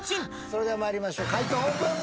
それではまいりましょう解答オープン